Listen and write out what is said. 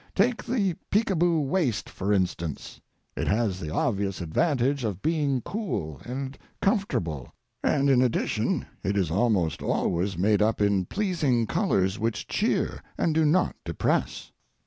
Take the peek a boo waist, for instance. It has the obvious advantages of being cool and comfortable, and in addition it is almost always made up in pleasing colors which cheer and do not depress.